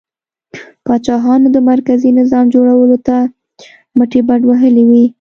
پاچاهانو د مرکزي نظام جوړولو ته مټې بډ وهلې وې.